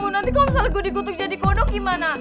nanti kalo gua dikutuk jadi kodok gimana